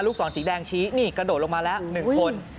ศรสีแดงชี้นี่กระโดดลงมาแล้ว๑คน